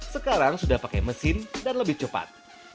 sekarang sudah pakai mesin dan lebih cepat